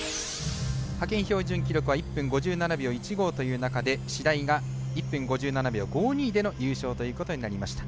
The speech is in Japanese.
派遣標準記録は１分５７秒１５という中で白井が１分５７秒５２での優勝ということになりました。